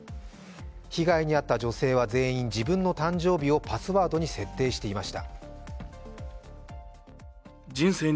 被害に遭った女性は全員、自分の誕生日をパスワードに設定していました。